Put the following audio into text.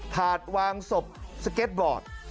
ถาดวางศพสเก็ตบอร์ด